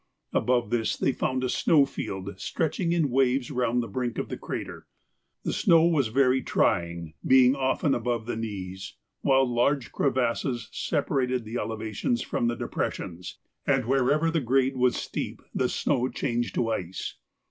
Above this they found a snow field stretching in waves round the brink of the crater. The snow was very trying, being often above their knees, while large crevasses separated the elevations from the depressions, and wherever the grade was steep the snow changed to ice.